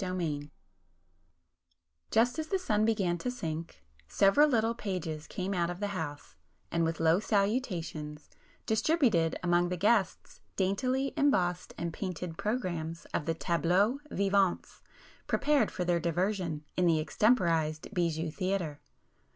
[p 273]XXIV Just as the sun began to sink, several little pages came out of the house, and with low salutations, distributed among the guests daintily embossed and painted programmes of the 'Tableaux Vivants,' prepared for their diversion in the extemporized bijou theatre.